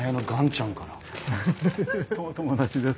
友達です。